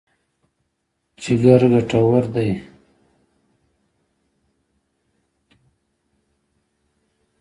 جګر ګټور دی.